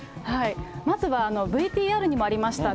まずはＶＴＲにもありました